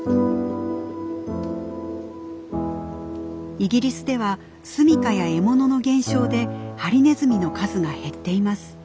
イギリスでは住みかや獲物の減少でハリネズミの数が減っています。